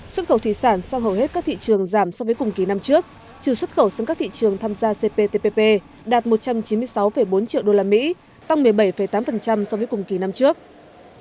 xuất khẩu thủy sản sang hầu hết các thị trường giảm so với cùng kỳ năm trước trừ xuất khẩu sang các thị trường tham gia cptpp đạt một trăm chín mươi sáu bốn triệu usd tăng một mươi bảy tám so với cùng kỳ năm trước